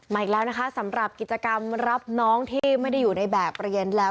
อีกแล้วนะคะสำหรับกิจกรรมรับน้องที่ไม่ได้อยู่ในแบบเรียนแล้ว